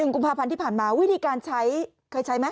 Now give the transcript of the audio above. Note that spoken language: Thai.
กุมภาพันธ์ที่ผ่านมาวิธีการใช้เคยใช้ไหม